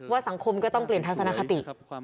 สังคมก็ต้องเปลี่ยนทัศนคติ